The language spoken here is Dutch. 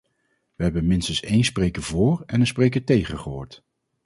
We hebben minstens een spreker vóór en een spreker tegen gehoord.